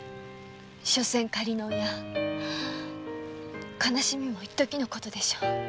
しょせん仮の親悲しみもいっときのことでしょう。